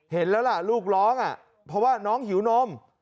เห็นแล้วล่ะลูกร้องเพราะว่าน้องหิวนม